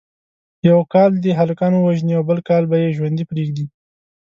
یو کال دې هلکان ووژني او بل کال به یې ژوندي پریږدي.